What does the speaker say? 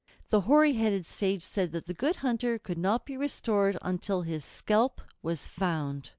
The hoary headed sage said that the Good Hunter could not be restored until his scalp was found.